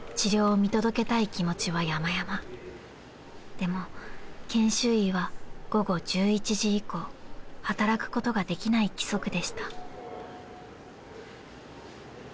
［でも研修医は午後１１時以降働くことができない規則でした］